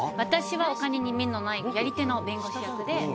私はお金に目のないやり手の弁護士役で。